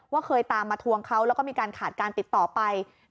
เคยตามมาทวงเขาแล้วก็มีการขาดการติดต่อไป